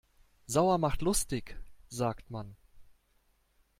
Sauer macht lustig, sagt man.